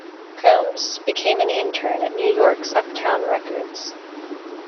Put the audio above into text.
Combs became an intern at New York's Uptown Records.